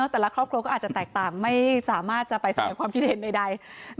แต่ละครอบครัวก็อาจจะแตกต่างไม่สามารถจะไปแสดงความคิดเห็นใด